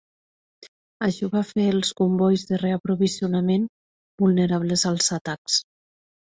Això va fer els combois de reaprovisionament vulnerables als atacs.